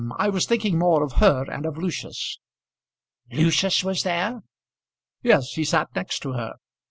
I was thinking more of her and of Lucius." "Lucius was there?" "Yes; he sat next to her.